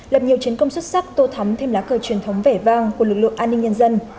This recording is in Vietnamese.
lập nhiều chiến công xuất sắc tô thắm thêm lá cờ truyền thống vẻ vang của lực lượng an ninh nhân dân